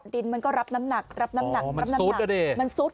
ดินมันก็รับน้ำหนักรับน้ำหนักมันซุดอ่ะเด้มันซุด